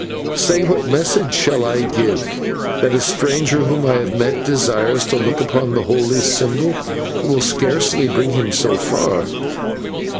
Say, what message shall I give? That a stranger whom I have met desires to look upon the holy symbol? It will scarcely bring him so far.'